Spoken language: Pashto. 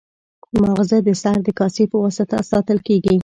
ماغزه د سر د کاسې په واسطه ساتل کېږي.